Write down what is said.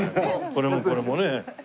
これもこれもね。